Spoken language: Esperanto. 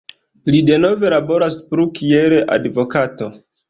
Li denove laboras plu kiel advokato.